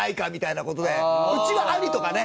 うちは「アリ」とかね